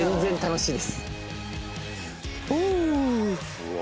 うわ